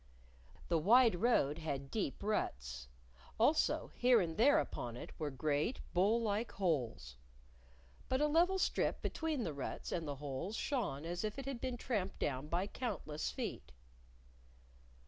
The wide road had deep ruts. Also, here and there upon it were great, bowl like holes. But a level strip between the ruts and the holes shone as if it had been tramped down by countless feet.